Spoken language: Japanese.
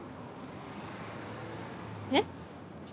えっ？